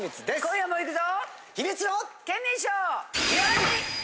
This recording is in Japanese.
今夜も行くぞ！